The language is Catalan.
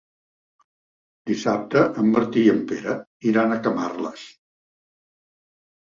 Dissabte en Martí i en Pere iran a Camarles.